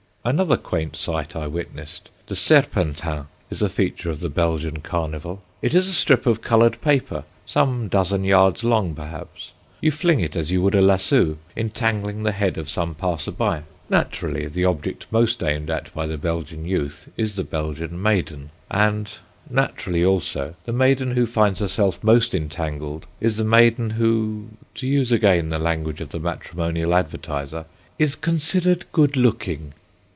Another quaint sight I witnessed. The "serpentin" is a feature of the Belgian Carnival. It is a strip of coloured paper, some dozen yards long, perhaps. You fling it as you would a lassoo, entangling the head of some passer by. Naturally, the object most aimed at by the Belgian youth is the Belgian maiden. And, naturally also, the maiden who finds herself most entangled is the maiden who—to use again the language of the matrimonial advertiser—"is considered good looking."